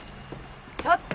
ちょっと！